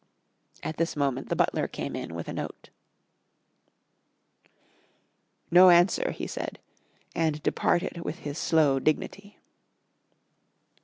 At this moment the butler came in with a note. "No answer," he said, and departed with his slow dignity.